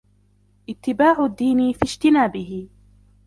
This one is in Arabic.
اتِّبَاعُ الدِّينِ فِي اجْتِنَابِهِ